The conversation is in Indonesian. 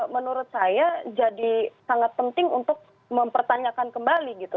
menurut saya jadi sangat penting untuk mempertanyakan kembali gitu